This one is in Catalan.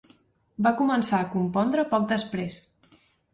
Va començar a compondre poc després.